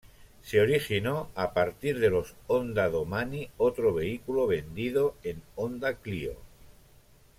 Se originó a partir de los Honda Domani otra vehículo vendido en "Honda Clio".